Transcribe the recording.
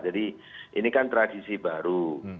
jadi ini kan tradisi baru